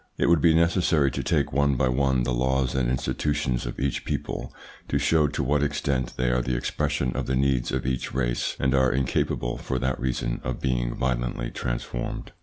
It would be necessary to take one by one the laws and institutions of each people to show to what extent they are the expression of the needs of each race and are incapable, for that reason, of being violently transformed.